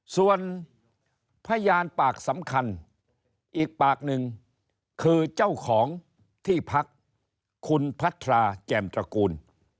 ส่วนพยานปากสำคัญอีกปากหนึ่งคือเจ้าของที่พักคุณพัทราแจ่มตระกูล